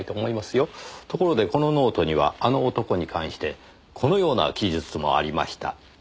ところでこのノートには「あの男」に関してこのような記述もありました。